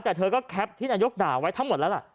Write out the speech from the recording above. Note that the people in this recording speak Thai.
แต่เธอก็แคปที่นายกด่าไว้ทั้งหมดแล้วล่ะ